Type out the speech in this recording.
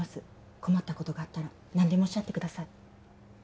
困ったことがあったら何でもおっしゃってください